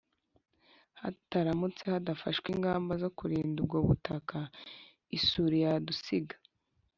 haramutse hadafashwe ingamba zo kurinda ubwo butaka isuri yadusiga